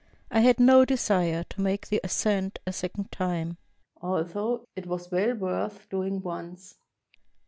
I had no desire to make the ascent a second time, although it was well worth doing once.